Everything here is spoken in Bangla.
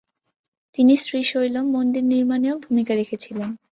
তিনি শ্রীশৈলম মন্দির নির্মাণেও ভূমিকা রেখেছিলেন।